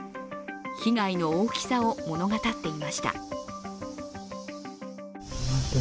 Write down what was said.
被害の大きさを物語っていました。